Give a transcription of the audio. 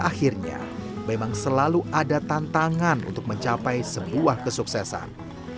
akhirnya memang selalu ada tantangan untuk mencapai sebuah kesuksesan